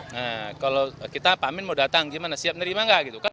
nah kalau kita pak amin mau datang gimana siap menerima nggak gitu kan